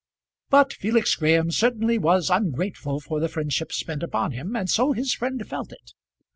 But Felix Graham certainly was ungrateful for the friendship spent upon him, and so his friend felt it.